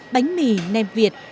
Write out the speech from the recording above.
bánh mì nem việt